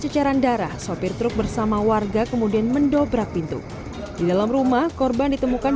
cecaran darah sopir truk bersama warga kemudian mendobrak pintu di dalam rumah korban ditemukan